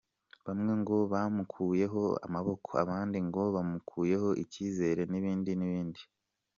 Bamwe ngo bamukuyeho amaboko, abandi ngo bamukuyeho ikizere n’ibindi n’ibindi.